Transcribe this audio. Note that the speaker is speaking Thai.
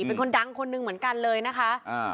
เป็นคนดังคนหนึ่งเหมือนกันเลยนะคะ